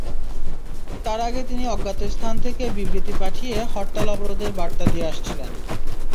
তার আগে তিনি অজ্ঞাত স্থান থেকে বিবৃতি পাঠিয়ে হরতাল-অবরোধের বার্তা দিয়ে আসছিলেন।